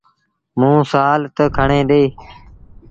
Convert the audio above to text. موݩ سآل تا کڻي ڏي۔